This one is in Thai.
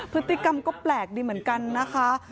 พฤติกรรมก็แปลกดีเหมือนกันนะคะ